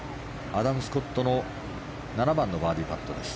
アダム・スコットの７番のバーディーパットです。